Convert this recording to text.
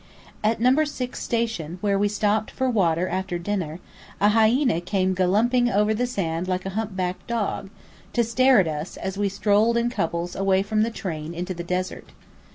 At Number Six Station, where we stopped for water after dinner, a hyena came galumping over the sand like a humpbacked dog, to stare at us, as we strolled in couples away from the train into the desert.